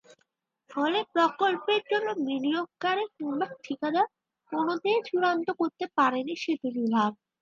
ফলে প্রকল্পের জন্য বিনিয়োগকারী কিংবা ঠিকাদার—কোনোটাই চূড়ান্ত করতে পারেনি সেতু বিভাগ।